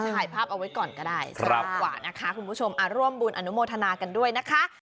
ถ่ายภาพเอาไว้ก่อนก็ได้สนุกกว่านะคะคุณผู้ชมร่วมบุญอนุโมทนากันด้วยนะคะ